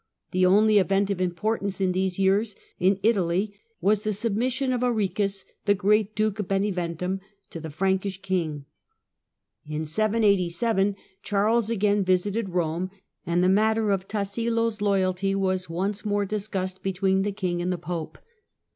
The only event of importance in these years, in Italy, was the sub mission of Arichis, the great Duke of Beneventum, to the Frankish king. In 787 Charles again visited Koine, and the matter of Tassilo's loyalty was once more dis cussed between the king and the Pope.